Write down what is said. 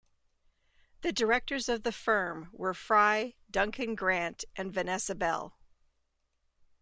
The Directors of the firm were Fry, Duncan Grant and Vanessa Bell.